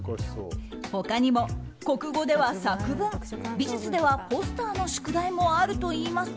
他にも国語では作文美術ではポスターの宿題もあるといいます。